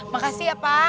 makasih ya pak